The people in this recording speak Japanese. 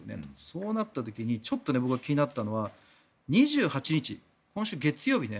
そうなった時に僕がちょっと気になったのは２８日、今週月曜日